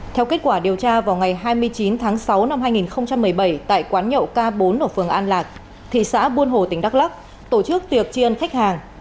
theo kết quả điều tra vào ngày hai mươi chín tháng sáu năm hai nghìn một mươi bảy tại quán nhậu k bốn ở phường an lạc thị xã buôn hồ tỉnh đắk lắc tổ chức tiệc chiên khách hàng